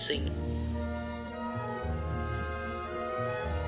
tường được ví